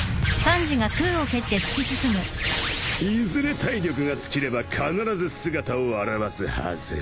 いずれ体力が尽きれば必ず姿を現すはず